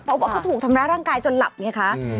เพราะว่าเขาถูกทำร้ายร่างกายจนหลับไงคะ